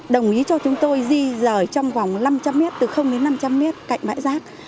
đồng ý cho chúng tôi di rời trong vòng năm trăm linh m từ đến năm trăm linh mét cạnh bãi rác